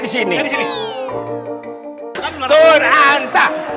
bisa diganti gak pk kartu atm